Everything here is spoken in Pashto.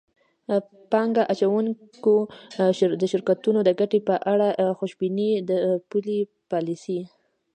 پانګه اچوونکو د شرکتونو د ګټې په اړه خوشبیني د پولي پالیسۍ